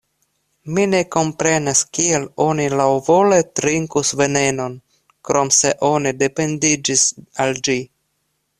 Mi ne komprenas kiel oni laŭvole trinkus venenon, krom se oni dependiĝis al ĝi.